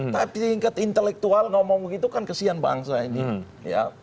tapi tingkat intelektual ngomong begitu kan kesian bangsa ini